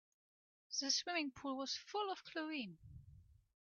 The swimming pool was full of chlorine.